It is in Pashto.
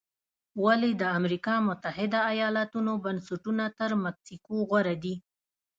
ولې د امریکا متحده ایالتونو بنسټونه تر مکسیکو غوره دي؟